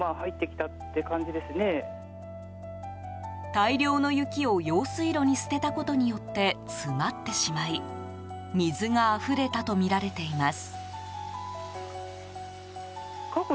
大量の雪を用水路に捨てたことによって詰まってしまい水があふれたとみられています。